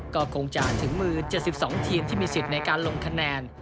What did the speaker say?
ก็คงจะถึงมือ๗๒ทีมที่มีสิทธิ์ในการลงคะแนน